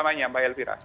pertama tama mbak elvira